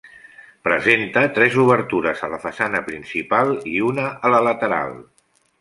Presenta tres obertures a la façana principal i una a la lateral.